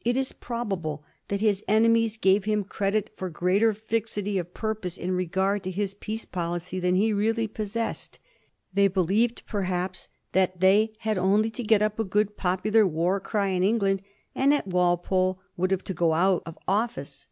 It is probable that his enemies gave him credit for greater fixity of purpose in regard to his peace policy than he really possessed. They believed, perhaps, tliat they had only to get up a good, popular war cry in England, and that Walpole would have to go out of office.